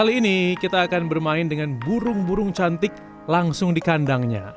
kali ini kita akan bermain dengan burung burung cantik langsung di kandangnya